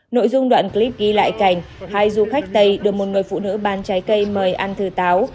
nội dung đoạn clip ghi lại cảnh hai du khách tây được một người phụ nữ bán trái cây mời ăn thừa táo